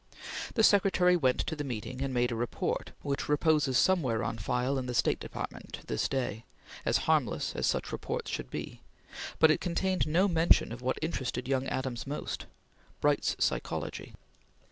The secretary went to the meeting and made a report which reposes somewhere on file in the State Department to this day, as harmless as such reports should be; but it contained no mention of what interested young Adams most Bright's psychology.